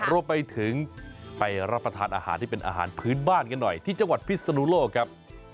รวมไปถึงไปรับประทานอาหารที่เป็นอาหารพื้นบ้านกันหน่อยที่จังหวัดพิศนุโลกครับ